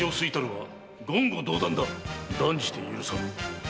断じて許さぬ。